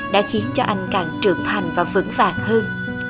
đã khiến cho anh càng trưởng thành và vững vàng hơn